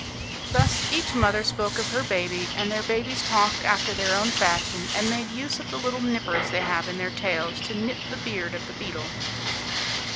Thus each mother spoke of her baby, and their babies talked after their own fashion, and made use of the little nippers they have in their tails to nip the beard of the beetle.